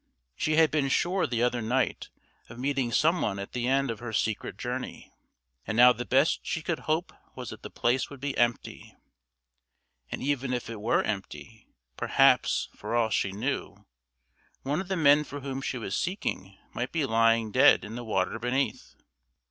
She had been sure the other night of meeting some one at the end of her secret journey, and now the best she could hope was that the place would be empty; and even if it were empty, perhaps, for all she knew, one of the men for whom she was seeking might be lying dead in the water beneath.